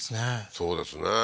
そうですね